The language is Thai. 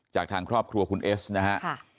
จากทางครอบครัวคุณเอสนะฮะ